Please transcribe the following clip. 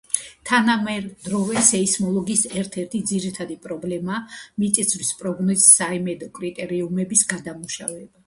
თანამედროვე სეისმოლოგიის ერთ-ერთი ძირითადი პრობლემაა მიწისძვრის პროგნოზის საიმედო კრიტერიუმების დამუშავება.